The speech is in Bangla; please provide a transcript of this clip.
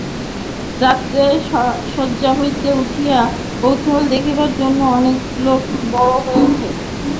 রাত্রে শয্যা হইতে উঠিয়া কৌতুক দেখিবার জন্য অনেক লোক জড় হইয়াছে।